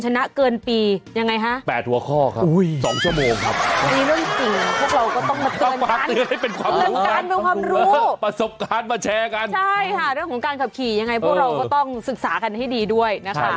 ใช่เรื่องของการเกิดข่ายอย่างไรพวกเราก็ต้องศึกษากันให้ดีด้วยนะคะ